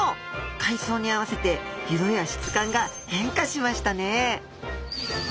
海藻に合わせて色や質感が変化しましたね！